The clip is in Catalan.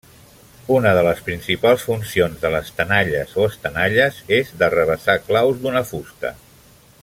Una de les principals funcions de les tenalles o estenalles és d'arrabassar claus d'una fusta.